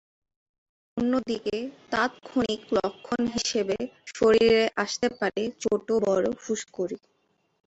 অন্যদিকে তাৎক্ষণিক লক্ষণ হিসেবে শরীরে আসতে পারে ছোট-বড় ফুসকুড়ি।